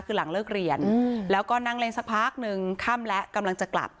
คือหลังเลิกเรียนแล้วก็นั่งเล่นสักพักหนึ่งค่ำแล้วกำลังจะกลับ